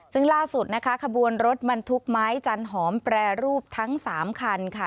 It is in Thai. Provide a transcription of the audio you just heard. ซึ่งล่าสุดนะคะขบวนรถบรรทุกไม้จันหอมแปรรูปทั้ง๓คันค่ะ